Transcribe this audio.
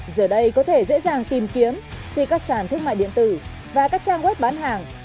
giờ đây có thể dễ dàng tìm kiếm trên các sàn thương mại điện tử và các trang web bán hàng